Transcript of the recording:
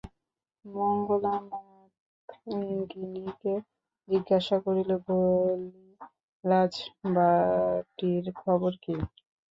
মঙ্গলা মাতঙ্গিনীকে জিজ্ঞাসা করিল, বলি রাজবাটীর খবর কী?